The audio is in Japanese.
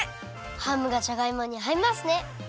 ハムがじゃがいもにあいますね！